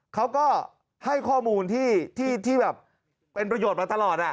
เขาก็ให้ข้อมูลที่แบบเป็นประโยชน์มาตลอด